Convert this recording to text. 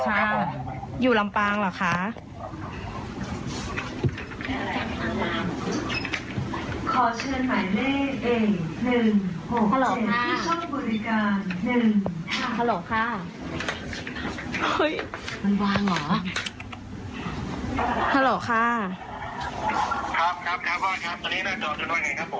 ครับครับครับครับครับตอนนี้เราจอดด้วยไงครับผม